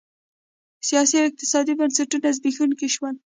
سیاسي او اقتصادي بنسټونه زبېښونکي شول.